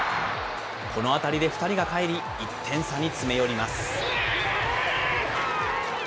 この当たりで２人がかえり、１点差に詰め寄ります。